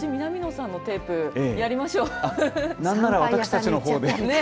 そのうち南野さんのテープやりましょう。